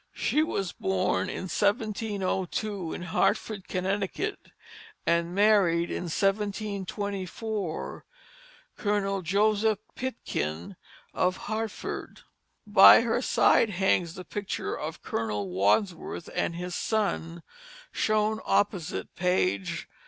She was born in 1702, in Hartford, Connecticut, and married, in 1724, Colonel Joseph Pitkin of Hartford. By her side hangs the picture of Colonel Wadsworth and his son, shown opposite page 316.